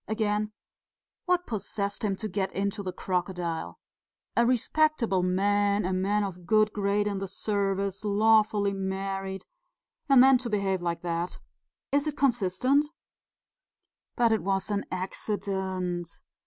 Again, what possessed him to get into the crocodile? A respectable man, a man of good grade in the service, lawfully married and then to behave like that! Is it consistent?" "But it was an accident."